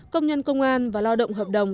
công nhân công an và lao động hợp đồng